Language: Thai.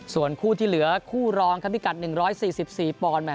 ส่วนคู่ที่เหลือคู่รองครับพิกัด๑๔๔ปอนด์